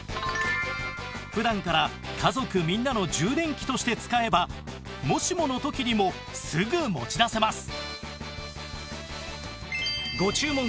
普段から家族みんなの充電器として使えばもしもの時にもすぐ持ち出せます